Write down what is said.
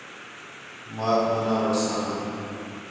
ماک مُنّا وٹھساں